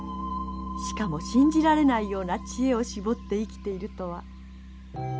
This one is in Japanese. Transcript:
しかも信じられないような知恵を絞って生きているとは。